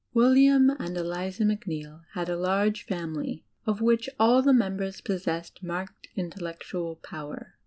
William and Eliza Macneill had a large family of which all the members possessed marked intellectual power.